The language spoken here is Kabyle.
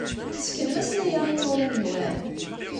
Tesseknem-asen aya i yimawlan-nwen?